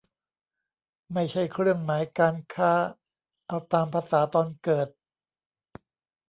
ไม่ใช่เครื่องหมายการค้า เอาตามภาษาตอนเกิด